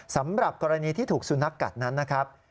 สำหรับกรณีที่ถูกสุนัขกัดนั้นนะครับ